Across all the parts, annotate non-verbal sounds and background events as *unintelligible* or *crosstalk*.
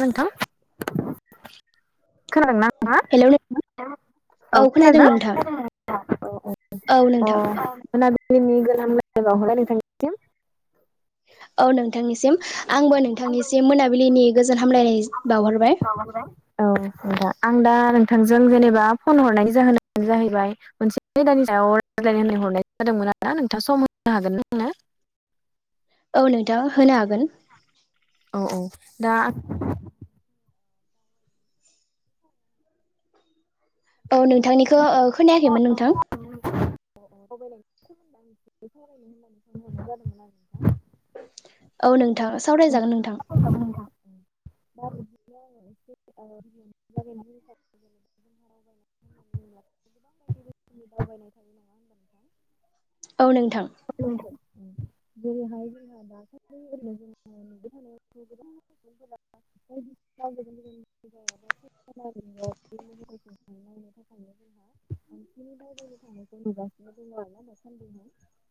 ना नोंथां खोनादोंना हेलौ नोंथां औ खोनादों खोनादोंना? नोंथां औ अ नोंथां खोनादों दिनि गोना बावहाय नोंथां औ नोंथांनिसिम आंबो नोंथांनिसिम मोनाबिलिनि गोजोन हामलायनाय बावहरबाय। हाबा जाबाय औ दा आं दा नोंथांजों जेनेबा फन हरनायनि जाहोनानो जाहैबाय मोनसे दानि सायाव रायज्लाय होननाय हरनाय जादोंमोन आरोदा नोंथाङा सम होनो हागोन ना? औ नोंथाङा होनो हागोन। औ औ दा औ नोंथांनिखौ ओ खोनायाखैमोन नोंथां रगायनायनि सोमोन्दै आं सावरायनो होननानै फन हरनाय जादोंमोन आरो नोंथां औ नोंथां सावरायजागोन नोंथां सावराय जागोन नोंथां *unintelligible* जनि दावबायनाय थायो नामा होमबा नोंथां औ नोंथां जेरैहाय जोंहा दासलि जों नुबाय थादों गोबां सुबुंफोरा बायदि सिना बोजों बोजों *unintelligible* बे मबाइलखौहाय नायनो थाखायनो जोंहा बिनि दावबायनाय थांनायखौ नुगासिनो दङ आरोना दासान्दिहाय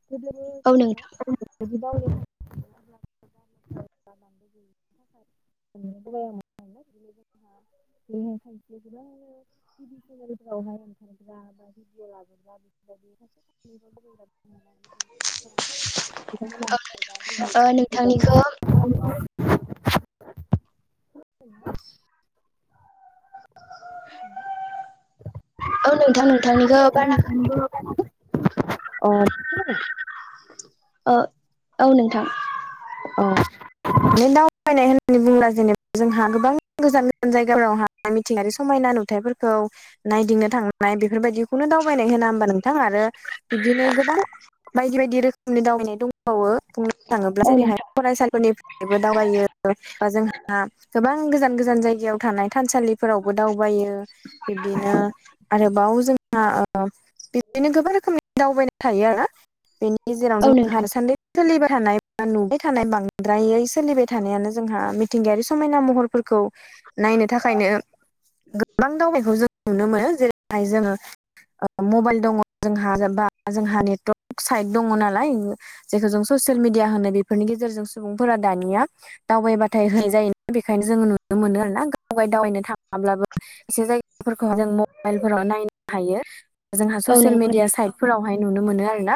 गोदोबो औ नोंथां गोदो गोदाय जांगौ गैयैनि थाखाय सोंनो गोबां मोन बिदिनो जोंहा बे खायसे गोबां टि भि सेनेलफोरावहाय ओंखारग्रा बा भिदिव लाबोग्रा बेफोरबादि सासे ओ सानैल' लुबैग्रा नोंथांनिखौ *unintelligible* औ नास औ नोंथां नोंथांनिखौ बारा अ औ औ नोंथां औ म दायनाय होनो बुंला जेनेबा जोंहा गोबां गोजान गोजान जायगाफोरावहााय मिथिंगायारि समायना नुथायाइफोरखौ नायदिंनो थांनाय बेफोरबायदिखौनो दावबायनाय होना हबा नोंथां? आरो बिब्दिनो गोबां बायदि बायदि रोखोमनि दावबायनाय दंबावो। बुंनो थाङोब्ला औ जेरैहाय नोंथां फरायसालिफोरनिफ्रायबो दावरायो बा जोंहा गोबां गोजान गोजान जायगायाव थानाय थानसालिफोरावबो दावबायो बिब्दिनो आरोबाव जोंहा ओ बिदिनो गोबां रोखोमनि दावबायना थायो आरोना बेनि गेजेराव औ जोंहा नोंथां सानै सोलिबाय थानाया नुबाय थानाय बांद्रायै सोलिबाय थानायानो जोंहा मिथिंगायारि समायना महरफोरखौ नायनो थाखायनो गोबां दावबायखौ जों नुनो मोनो जेरैहाय जोङो ओ मबाइल दङ जोंहा बा जोंहा नेटवर्क साइट दङ नालाय जेखौ जों ससियेल मिडिया होनो बेफोरनि गेजेरजों सुबुंफोरा दानिया दावबायबाथाय होनाय जायोना बेखायनो जोङो नुनो मोनो आरोना गाव दावबायनो थाङाब्लाबो एसे जायगाफोरखौ जों मबाइलफोराव नायनो हायो जोंहा औ ससियेल नंगौ मिडिया नोंथां साइट फोरावहाय नुनो मोनो आरोना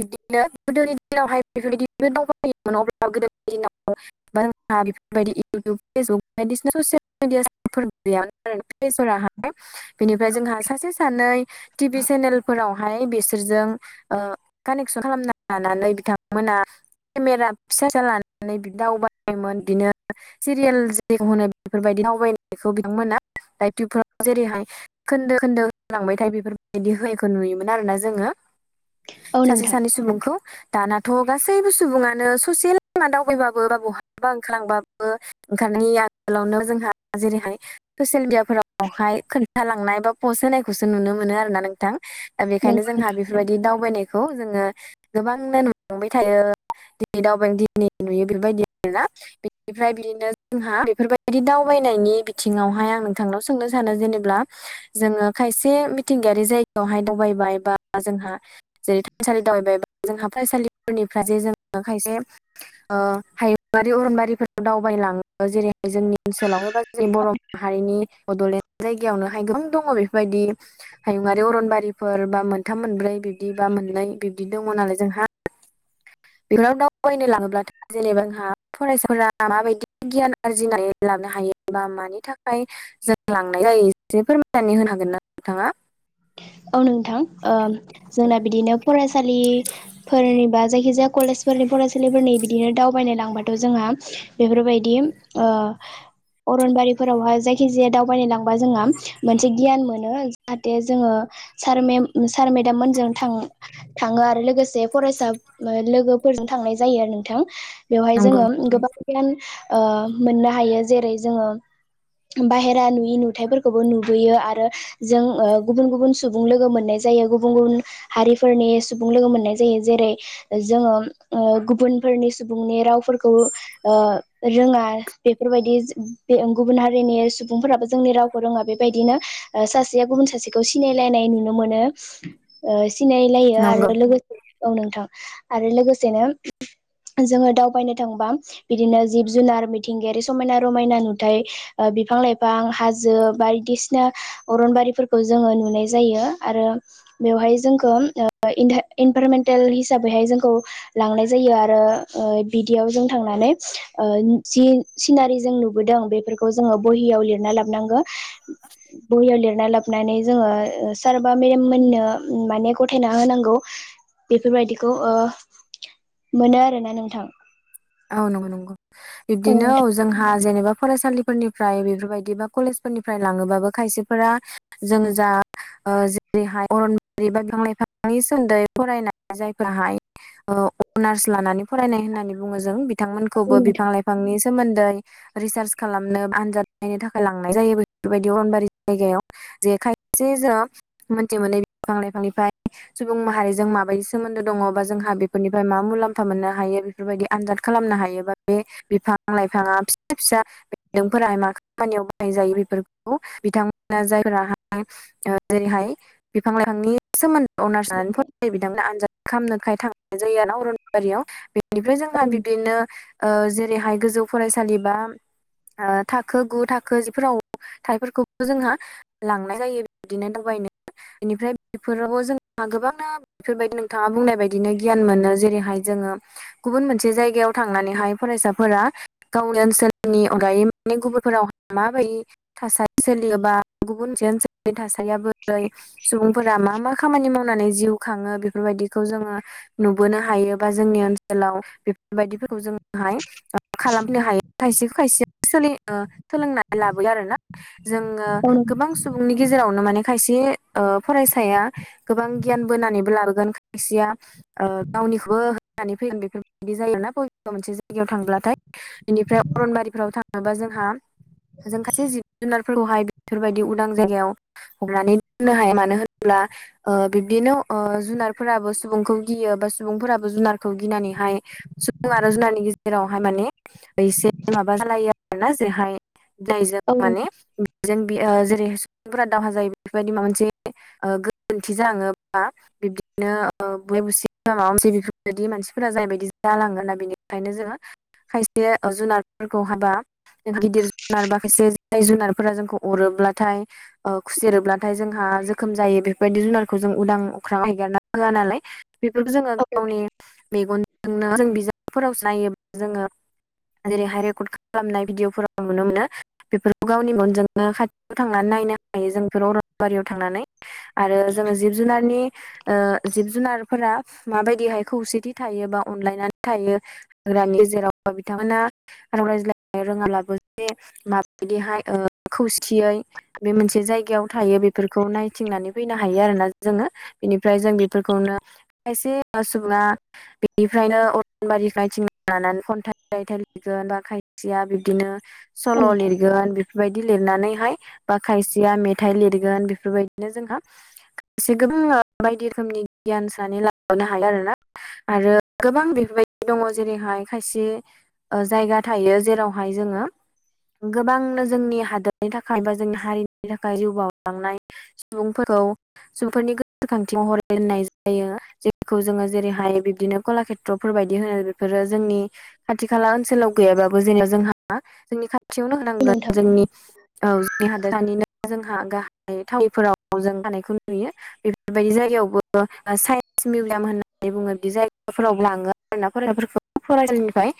बिबदिनो गोदोनि दिनावहाय बेफोरबायदि बि दावबाया अब्ला गोदो दिनाव बा जोंहा बेफोरबायदि इउटुब फेसबुक बायदिसिना ससियेल मिडिया फोर गैयामोन आरो बेसराहाय बिनिफ्राय जोंहा सासे सानै टिभि सेनेलफोरावहाय बिसोरजों ओ कानेक्सन खालामना लानानै बिथांमोना केमेरा फिसाचार लानानै बिदि दाउबायोमोन बिदिनो सिरियाल जेरै होनो बेफोरबायदि दावबायनायखौ बिथांमोना दायुबफोराव जेरैहाय खोन्दो खोन्दो होलांबायथाय बेफोरबायदि होयिखौ नुयोमोन आरोना जोङो औ सासे नोंथां सानै सुबुंखौ दानाथ' गासैबो सुबुङानो ससेेल लामा दावबायबाबो बा बहाबा ओंखारलांबाबो ओंखायनो आगोलावनो जोंहा जेरैहाय ससियेल मिडिया फोरावहाय खोन्थालांनाय बा पस्ट होनायखौसो नुनो मोनो आरो ना नोंथां। दा नों बेखायनो जोंहा बेफोरबायदि दावबायनायखौ जोङो गोबांनो नुलांबाय थायो। दिनै दावबाय दिनै नुयो बेबायदि आरोना। बिनिफ्राय बिदिनो जोंहा बेफोरबायदि दावबायनायनि बिथिङावहाय आं नोंथांनाव सोंनो सानो जेनेब्ला जोङो खायसे मिथिंगायारि जायगायावहाय दावबायबाय बा जोंहा जेरै थानसालि दावबाया जोंहा फरायसालि जे जोङो खायसे ओ हायुंआरि अरनबारिफोरखौ दावबायलाङो जेरैहाय जोंनि ओनसोलावनो जों बर' माहारिनि बड'लेण्ड जायगायावनोहाय गोबां दङ बेफोरबायदि हायुंङारि अरनबारिफोर बा मोनथाम मोनब्रै बिब्दि बा मोननै बिब्दि दङ नालाय जोंहा बेफोरनाव दावबायनो लाङोब्लाथाय जेनेबा जोंहा फरायसाफोरा माबायदि गियान आरजिनानै लानो हायोबा मानि थाखाय जों लांनाय जायो ए फोरमायनानै होनो हागोन ना नोंथाङा? औ नोंथां ओ जोंना बिदिनो फरायसालि फोरनि बा जायखिजाया कलेजफोरनि फरायसालिफोरनि बिदिनो दावबायनाय लांबाथ' जोंहा बेफोरबायदि ओह अरनबारिफोरावहा जायखि जाया दावबायनो लांबा जोंहा मोनसे गियान मोनो। दे जोङो सार मेम सार मेदाम मोनजों थां थाङो आरो लोगोसे फरायसा लोगोफोरजों थांनाय जायो आरो नोंथां। बेवहाय नंगौ जोङो गोबां गियान शओ मोननो हायो जेरै जोङो बाहेरा नुयि नुथाइफोरखौबो नुबोयो आरो जों गुबुन गुबुन सुबुं लोगो मोननाय जायो गुबुन गुबुन हारिफोरनि सुबुं लोगो मोननाय जायो जेरै जोङो गुबुनफोरनि सुबुंनि रावफोरखौ ओ रोङा बेफोरबायदि बे गुबुन हारिनि सुबुंफोराबो जोंनि रावखौ रोङा बेबायदिनो ओ सासेया गुबुन सासेख खौ सिनायलायनाय नुनो मोनो सिनायलायो नंगौ आरो औ नोंथां आरो लोगोसेनो जोङो दावबायनो थांबा बिदिनो जिब जुनार मिथिंगायारि समायना रमायना नुथाय ओ बिफां लाइफां हाजो बायदिसिना अरनबारिफोर खौ जोङो नुनाय जायो आरो बेवहाय जोंखौ इन्टा इनभारमेन्टेल हिसाबैहाय जोंखौ लांनाय जायो आरो बिदियाव जों थांनानै जि सिनारि जों नुबोदों बेफोरखौ जोङो बहियाव लिरना लाबोनांगौ बहियाव लिरना लाब हाबनानै जोङो सार बा मेडाम मोननो माने गथायना होनांगौ। बेफोर बायदिखौ ओ मोनो आरोना नोंथां औ नंगौ नंगौ औ बिब्दिनो नोंथां जोंहा जेनेबा फरायसालिफोरनिफ्राय बेफोरबायदि बा कलेजफोरनिफ्राय लाङोबाबो खायसेफोरा जों जा ओ जेरैहाय अरनबारि बा बिफां- लाइफांनि सोमोन्दै फरायनाय जायफोराहाय अनार्स लानानै फरायनाय होननानै बुङो जों औ बिथांमोनखौबो बिफां लाइफांनि सोमोन्दै रिसार्च खालामनो आनजाद नायनो थाखाय लांनाय जायो बेफोरबायदि अरनबारि जायगायाव। जे खायसे जों मोनथि मोनै बिफां लाइफांनिफ्राय सुबुं माहारिजों माबायदि सोमोन्दो दङ बा जोंहा बेफोरनिफ्राय मा मुलाम्फा मोननो हायो बेफोरबायदि आनजाद खालामनो हायोबा बे बिफां लाइफाङा फिसा फिसा बेन्दोंफोरा मा खामानियाव बाहाय जायो बेफोरखौ बिथांमोना जायफोराहाय ओ जेरैहाय बिफां लाइफांनि सोमोन्दै अनार्स जानानै फरायनाय बिथांमोना आनजाद खालामनोखाय थांनाय जायो आरो ना अरनबारियाव बे बेनिफ्राय जोंहा नोंथां बिब्दिनो ओ जेरैहाय गोजौ फरायसालि बा ओ थाखो गु थाखो जिफोराव थानायफोरखौबो जोंहा लांनाय जायो बिदिनो दावबायनो बेनिफ्राय बेफोरावबो जोंहा गोबांनो बेफोरबायदि नोंथाङा बुंनाय बायदिनो गियान मोनो जेरैहाय जोङो गुबुन मोनसे जायगायाव थांनानैहाय फरायसाफोरा गावनि ओनसोलनि अनगायै माने गुबुनफोराव माबायदि थासारि सोलियो बा गुबुन ओनसोलनि थासारिया बोरै सुबुंफोरा मा मा खामानि मावनानै जिउ खाङो बेफोरबायदिखौ जोङो नुबोनो हायो बा जोंनि ओनसोलाव बायदिफोरखौ जोंहाय खालामनो हायो खायसेखौ खायसे सोलि ओ सोलोंनाय लाबोयो आरोना जोङो औ गोबां सु बुंनि गेजेरावनो माने खायसे फरायसाया गोबां गियान बोनानैबो लाबोगोन खायसेया ओ गावनिखौबो होनानै फैगोन बेफोरबायदि जायोना बबेबा मोनसे जायगायाव थांब्लाथाय बेनिफ्राय अरनबारिफोराव थाङोबा जोंहा जों खायसे जिब जुनारफोरखौहाय बेफोरबायदि उदां जायगायाव हमनानै दोननो हाया मानो होनोब्ला ओ बिब्दिनो जुनारफोराबो सुबुंखौ गियो बा सुबुंफोराबो जुनार खौ गिनानैहाय सुबुं आरो जुनारनि गेजेरावहाय माने एसे माबा जालायो आरोना जेरैहाय जायजों औ माने जों जेरै सुबुंफोरा दावहा जायो बेफोरबायदि माबा मोनसे ओ गोरोन्थि जालाङोबा बिबदिनो बुलाय बुसि बा माबा मोनसे बेफोर बादि मानसिफोरा जायबायायदि जालाङोना बिनिखायनो जोङो खायसे जुनारफोरखौ हाबा गिदिर जुनार बा खायसे जाय जुनारफोरा जोंखौ अरोब्लाथाय ओ खुसेरोब्लाथाय जोंहा जोखोम जायो बेफोरबायदि जुनारखौ जों उदां अख्राङाव हेगारना होआ नालाय बेफोरखौ जोङो औ गावनि मेगनजोंनो जों बिजाबफोराव नायोब्ला जोङो जेरैहाय रेकर्ड खालामनाय भिडिअफोराव नुनो मोनो बेफोरखौ गावनि मेगनजों नो खाथियाव थांनानै नायनो हायो जों बेफोर अरनबारियाव थांनानै आरो जोङो जिब जुनारनि ओ जिब जुनारफोरा माबाय दिहाय खौसेथि थायोबा अनलायनानै थायो हाग्रानि जेराव बिथांमोना राव लायज्लायनो रोङाब्लाबो जे माबायदिहाय ओ खौसेयै बे मोनसे जायगायाव थायो बेफोरखौ नायथिंनानै फैनो हायो आरोना जोङो बिनिफ्राय जों बेफोरखौनो खायसे सुबुङा बेनिफ्रायनो अरनबारि नायथिं लानानै खन्थाइ रायथाइ लिरगोन बा खायसेया बिब्दिनो नोंथां औ सल नोंथां लिरगोन बेफोरबायदि लिरनानैहाय बा खायसेया मेथाइ लिरगोन बेफोरबायदिनो जोंहा से गोबां बायदि रोखोमनि गियान सोनानै ला नो हायो आरोना आरो गोबां बेफोरबायदि दङ जेरैहाय खायसे जायगा थायो, जेरावहाय जोङो गोबांनो जोंनि हादोरनि थाखाय बा जोंनि हारिनि थाखाय जिउ बावलांनाय सुबुंफोरखौ सुबुंफोरनि गोसोखांथिहरै दोननाय जायो खौ जेरैहाय बिबदीनो कलाखेट्र फोरबायदि होनो‌ बेफोरो जोंनि खाथि खाला ओनसोलाव गैयाबाबो जेने जोंहा जोंनि खाथियावनो औ नोंथां होनांगोन जोंनि औ जोंनि हादोर दानिनो जोंहा गाहाय थावनिफोराव जों हानायखौ नुयो बेफोरबायदि जायगायावबो साइन मिउजियाम होननानै बुङो बिदि जायगाफोराव लाङो आरोना फरायसाफोरखौ फरायसालिनिफ्राय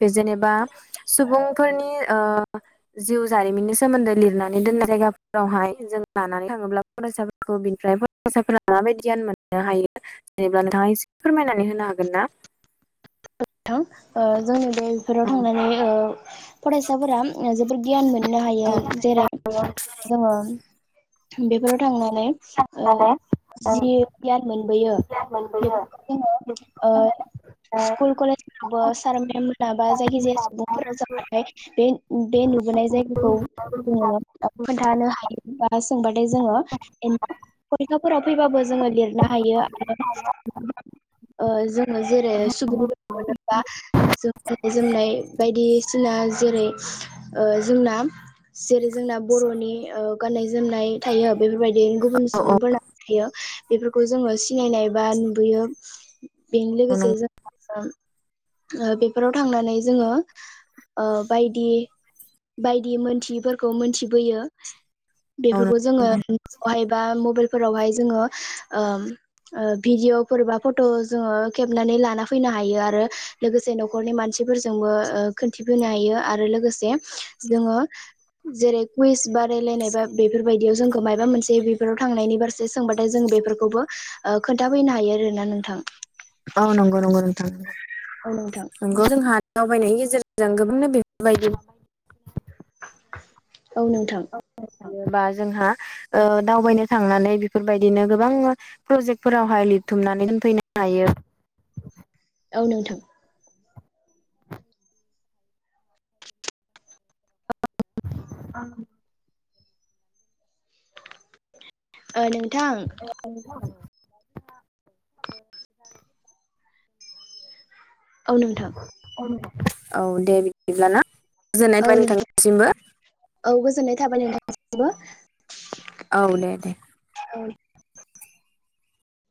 बे जेनेबा सुबुंफोरनि ओ जिउ जारिमिननि सोमोन्दै लिरनानै दोननाय जायगाफोरावहाय जों लानानै थाङोब्ला फरायसाफोरखौ बिनिफ्राय फरायसाफोरा गियान मोननो हायो। जेनेबा नोंथाङा एसे फोरमायनानै होनो हागोनना? थां जोंनि बे बेफोराव औ थांनानै फरायसाफोरा जोबोर गियान मोननो हाय जेरै जोङो बेफोराव थांनानै औ औ जि गियान मोनबोयो बेफोरखौ जोङो स्कुल कलेजफ्रावबो सार मेम मोनाबा जायखिजाया सुबुंफोरा जाबाथाय बे बे नुबोनाय जायगाखौ जोङो मा खोन्थानो हायो बा सोंबाथाय जोङो फरिखाफोराव फैबाबो जोङो लिरनो हायो आरो जों जेरै सुबुंफोर मोनोबा गाननाय जोमनाय बायदिसिना जेरै ओ जोंना जेरै जोंना बर'नि गाननाय जोमनाय थायो। बेफोरबायदि गुबुन सुबुंफोरा थायो बेफोरखौ जोङो सिनायनाय बा नुबोयो। बेनो नंगौ लोगोसे जों बेफोराव थांनानै जोङो बायदि बायदि मोनथियिफोरखौ मोनथिबोयो। औ बेफोरखौ जोङो नंगौ बहायबा मबाइल फोरावहाय जोङो भिडिअफोर बा फट' जोङो खेबनानै ला फैनो हायो आरो लोगोसे न'खरनि मानसिफोरजोंबो खोन्थिफैनो हायो आरो लोगोसे जोङो। जेरै कुइस बादायलायनाय बा बेफोरबायदियाव जोंखौ माबा मोनसे बेफोराव थांनायनि बार एसे सोंबाथाय जों बेफोरखौबो खोन्थाफैनो हायो आरोना नोंथां। औ नंगौ नंगौ नोंथां नंगौ। औ नोंथां। नंगौ जोंहा दावबायनायनि गेजेरजों गोबांनो बेफोरबायदि औ नोंथां। थायोबा जोंहा दावबायनो थांनानै बेफोरबायदिनो गोबां प्रजेक्टफोरावहाय लिरथुमनानै दोनफैनो हायो। औ नोंथां। औ। ओ नोंथां *unintelligible* औ नोंथां। औ दे बिदिब्लााना गोजोननाय औ थाबाय नोंथां नोंथांनिसिमबो। औ गोजोननाय थाबाय नोंथांसिमबो। औ दे दे। औ।